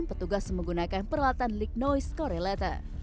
petugas menggunakan peralatan lick noise correlator